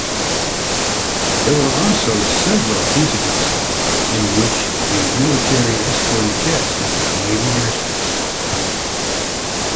There were also several incidents in which the military escorted jets into Canadian airspace.